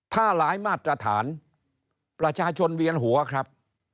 ถ้าหลายมาตรฐานประชาชนเวียนหัวครับ